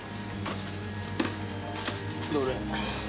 どれ。